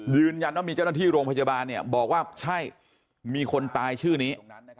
ยืนยันว่ามีเจ้าหน้าที่โรงพยาบาลเนี่ยบอกว่าใช่มีคนตายชื่อนี้